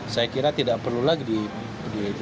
saya kira tidak perlu lagi dipilih